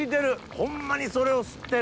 ホンマにそれを吸ってる。